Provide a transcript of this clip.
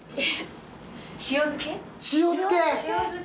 塩漬け。